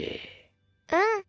うん。